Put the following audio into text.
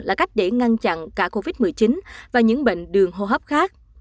là cách để ngăn chặn cả covid một mươi chín và những bệnh đường hô hấp khác